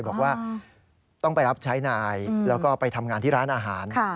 บอกว่าต้องไปรับใช้นายแล้วก็ไปทำงานที่ร้านอาหาร